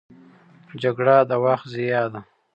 جګړه د وخت ضیاع ده